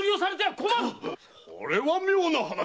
これは妙な話！